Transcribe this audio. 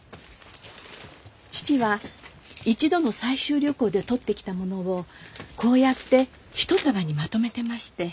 父は一度の採集旅行で採ってきたものをこうやって一束にまとめてまして。